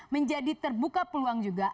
menjadi terbuka peluang juga